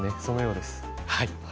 そのようです。